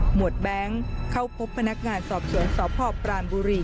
หมวดแบงค์เข้าพบพนักงานสอบเถียงสอบพ่อปราณบุรี